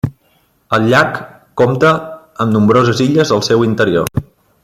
El llac compta amb nombroses illes al seu interior.